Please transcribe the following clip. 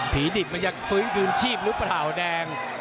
ผีดิบมันจะฟื้นกลุ่มชีพรึเปล่าแดง